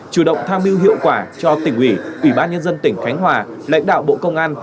chủ động tham mưu hiệu quả cho tỉnh ủy ủy ban nhân dân tỉnh khánh hòa lãnh đạo bộ công an